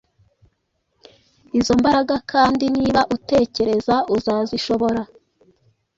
izo mbaraga kandiniba utekereza uzazishobora